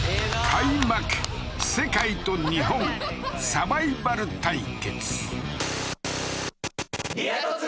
開幕世界と日本サバイバル対決リア突